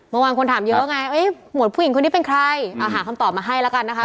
เมื่อวานคนถามเยอะไงเอ๊ะหมวดผู้หญิงคนนี้เป็นใครหาคำตอบมาให้แล้วกันนะคะ